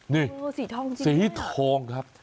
นี่สีทองครับ